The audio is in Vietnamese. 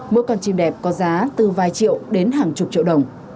mỗi con chim đẹp có giá từ vài triệu đến hàng chục triệu đồng